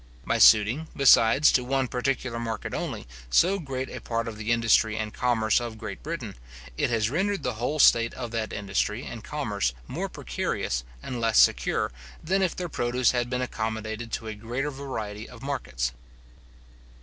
By suiting, besides, to one particular market only, so great a part of the industry and commerce of Great Britain, it has rendered the whole state of that industry and commerce more precarious and less secure, than if their produce had been accommodated to a greater variety of markets.